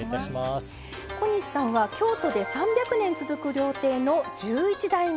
小西さんは京都で３００年続く料亭の１１代目。